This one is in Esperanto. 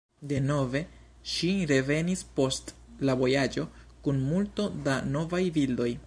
Denove ŝi revenis post la vojaĝo kun multo da novaj bildoj.